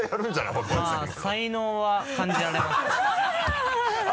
まぁ才能は感じられますね。